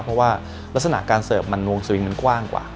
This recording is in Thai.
เพราะว่ารักษณะการเสิร์ฟมันวงสวิงมันกว้างกว่า